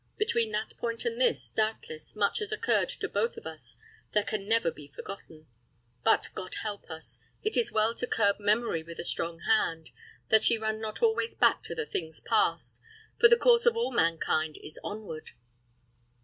Between that point and this, doubtless, much has occurred to both of us that can never be forgotten. But, God help us! it is well to curb memory with a strong hand, that she run not always back to the things past, for the course of all mankind is onward.